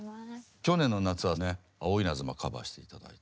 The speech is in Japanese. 去年の夏はね「青いイナズマ」カバーして頂いて。